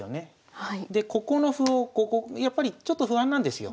でここの歩をここやっぱりちょっと不安なんですよ。